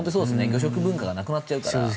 魚食文化がなくなっちゃうから。